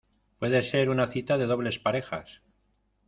puede ser una cita de dobles parejas.